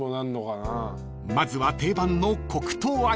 ［まずは定番の黒糖味から］